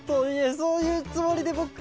そういうつもりでぼく。